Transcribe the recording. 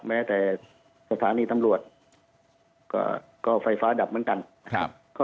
แม้แต่สถานีตำรวจก็ไฟฟ้าดับเหมือนกันนะครับ